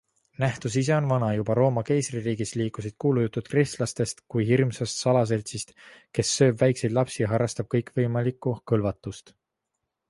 Nähtus ise on vana - juba Rooma keisririigis liikusid kuulujutud kristlastest kui hirmsast salaseltsist, kes sööb väikseid lapsi ja harrastab kõikvõimalikku kõlvatust.